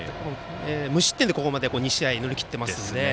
無失点で、ここまで２試合乗り切っています。